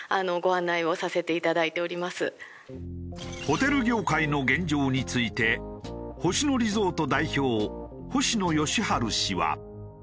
ホテル業界の現状について星野リゾート代表星野佳路氏は。